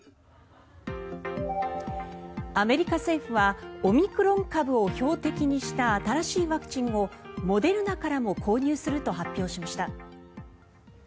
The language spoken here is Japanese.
アメリカ政府はオミクロン株を標的にした新しいワクチンをモデルナからも購入すると発表しました。